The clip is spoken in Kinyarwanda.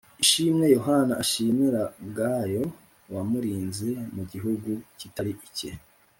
Ishimwe Yohana ashimira Gayo wamurinze mu gihugu kitari icye